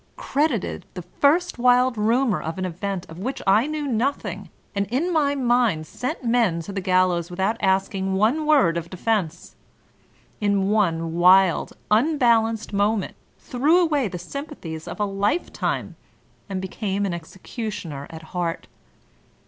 Cred ited the first wild rumor of an event of which I knew nothing, and, in my mind, sent men to the gallows with out asking one word of defense I In one wild, unbalanced moment threw away the sympathies of a lifetime, and became an executioner at heart.